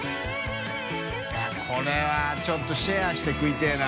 いこれはちょっとシェアして食いたいな。